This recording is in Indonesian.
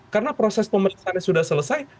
karena proses pemeriksaan sudah selesai